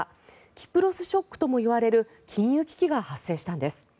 キプロスショックともいわれる金融危機が発生したんです。